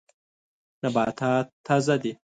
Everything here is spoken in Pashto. نباتات تازه دي.